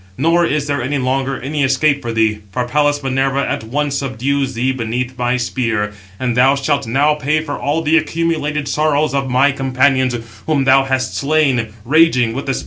Nor is there any longer any escape for thee, for Pallas Minerva at once subdues thee beneath my spear, and thou shalt now pay for all the accumulated sorrows of my companions, whom thou hast slain, raging with the spear."